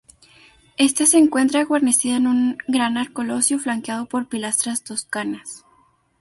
Esta se encuentra guarnecida en un gran arcosolio flanqueado por pilastras toscanas.